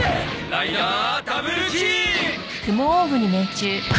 ライダーダブルキック！